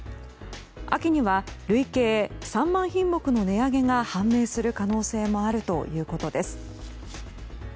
秋には累計３万品目の値上げが判明する可能性もあるということです。